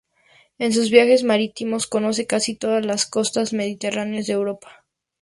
En sus viajes marítimos conoce casi toda la costa mediterránea europea.